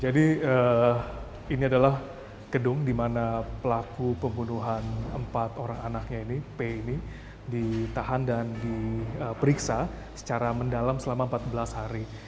jadi ini adalah gedung di mana pelaku pembunuhan empat orang anaknya ini p ini ditahan dan diperiksa secara mendalam selama empat belas hari